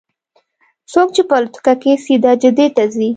څوک چې په الوتکه کې سیده جدې ته ځي.